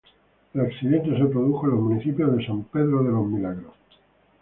El accidente se produjo en el municipio de San Pedro de Los Milagros.